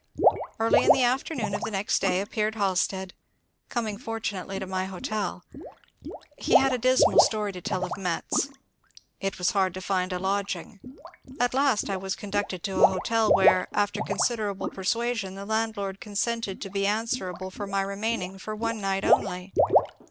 Early in the afternoon of the next day appeared Halstead, coming fortunately to my hotel. He had a dismal story to tell of Metz. It was hard to find a lodging. At last I was conducted to a hotel where, after considerable persuasion, the landlord consented to be answerable for my remaining for one night only.